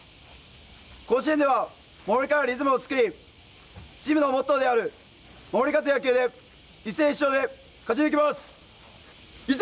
甲子園では守りからリズムを作りチームのモットーである守り勝つ野球で一戦必勝で勝ち抜きます。